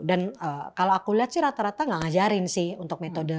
dan kalau aku lihat sih rata rata gak ngajarin sih untuk metode